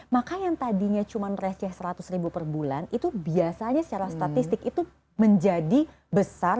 maka yang tadinya cuma receh seratus ribu per bulan itu biasanya secara statistik itu menjadi besar